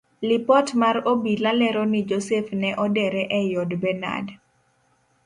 Lipot mar obila lero ni joseph ne odere ei od benard.